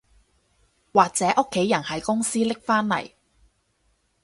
或者屋企人喺公司拎返嚟